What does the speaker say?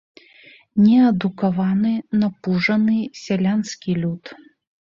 Неадукаваны, напужаны сялянскі люд.